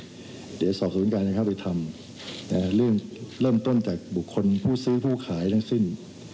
พิมพ์อีกเนี่ยเดี๋ยวสอบสรุนการให้เขาไปทำเรื่องเริ่มต้นจากบุคคลผู้ซื้อผู้ขายทั้งสิ้น